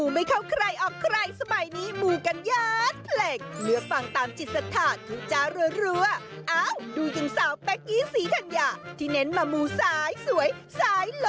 โปรดติดตามตอนต่อไป